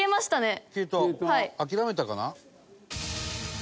諦めたかな？」